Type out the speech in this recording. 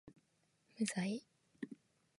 無罪